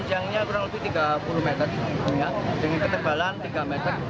jalan longsor yang tersebut terkait dengan jalan utama